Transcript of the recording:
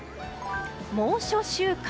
猛暑週間。